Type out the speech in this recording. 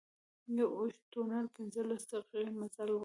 یو اوږد تونل پنځلس دقيقې مزل و.